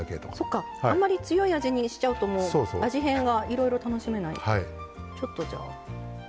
あんまり強い味にしちゃうと味変がいろいろ楽しめない。